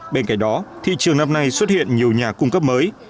bên cạnh đó thị trường năm nay xuất hiện nhiều nhà cung cấp mới